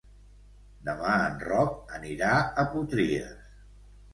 Demà en Roc anirà a Potries.